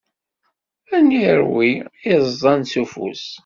Ad irwi iẓẓan s ufus.